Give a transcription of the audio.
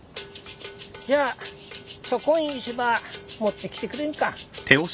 じゃあそこん石ば持ってきてくれんか。